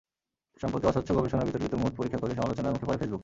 সম্প্রতি অস্বচ্ছ গবেষণার বিতর্কিত মুড পরীক্ষা করে সমালোচনার মুখে পড়ে ফেসবুক।